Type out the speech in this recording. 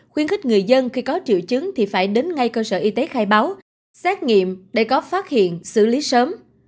khuyến khích người dân khi có triệu chứng thì phải đến ngay cơ sở y tế khai báo xét nghiệm để có phát hiện xử lý sớm